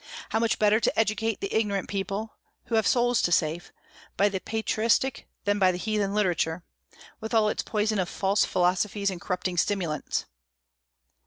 How much better to educate the ignorant people, who have souls to save, by the patristic than by heathen literature, with all its poison of false philosophies and corrupting stimulants!